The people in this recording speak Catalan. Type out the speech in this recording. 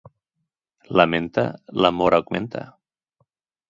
La menta, l'amor augmenta.